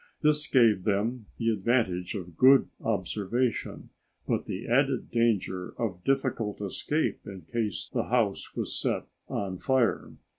This gave them the advantage of good observation, but the added danger of difficult escape in case the house was set on fire.